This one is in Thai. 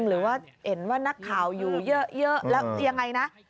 หรือว่าเห็นว่านักข่าวอยู่เยอะแล้วยังไงนะ